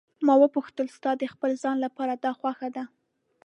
ما وپوښتل: ستا د خپل ځان لپاره دا خوښه ده.